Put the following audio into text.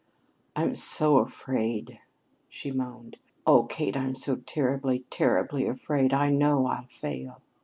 "I'm so afraid," she moaned. "Oh, Kate, I'm so terribly, terribly afraid! I know I'll fail."